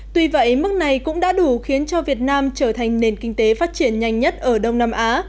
tuy vậy mức này cũng đã đủ khiến cho việt nam trở thành nền kinh tế phát triển nhanh nhất ở đông nam á